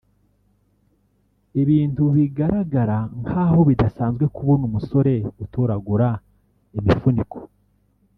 ibintu bigaragara nk’aho bidasanzwe kubona umusore utoragura imifuniko